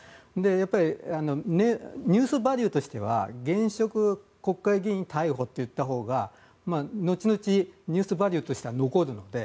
やっぱりニュースバリューとしては現職国会議員逮捕といったほうが後々、ニュースバリューとしては残るので。